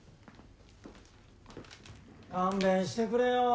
・勘弁してくれよ。